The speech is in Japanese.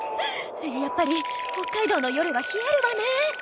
やっぱり北海道の夜は冷えるわねえ。